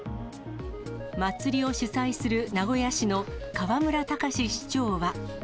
祭りを主催する名古屋市の河村たかし市長は。